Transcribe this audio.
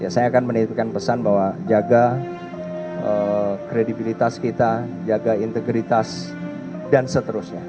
saya akan menitipkan pesan bahwa jaga kredibilitas kita jaga integritas dan seterusnya